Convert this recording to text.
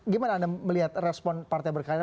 gimana anda melihat respon partai berkarya